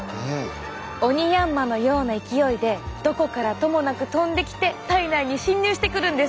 オニヤンマのような勢いでどこからともなく飛んできて体内に侵入してくるんです。